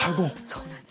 そうなんです。